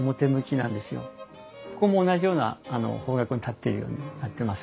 ここも同じような方角に建っているようになってます。